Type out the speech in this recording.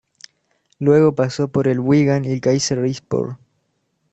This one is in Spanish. Luego pasó por el Wigan y el Kayserispor.